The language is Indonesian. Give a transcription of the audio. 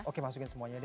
oke masukin semuanya deh